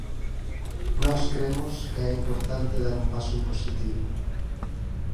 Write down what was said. Nós cremos que é importante dar un paso en positivo.